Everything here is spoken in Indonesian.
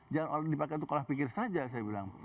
jangan dipakai untuk kola pikir saja saya bilang